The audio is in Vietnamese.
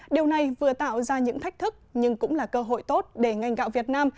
điều này vừa tạo ra những thách thức nhưng cũng là cơ hội tốt để ngành gạo việt nam